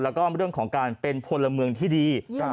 แล้วก็เรื่องของการเป็นพลเมืองที่ดี